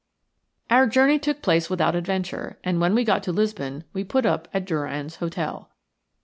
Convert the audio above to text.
Our journey took place without adventure, and when we got to Lisbon we put up at Durrand's Hotel.